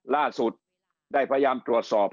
ล่าสุดได้พยายามตรวจสอบ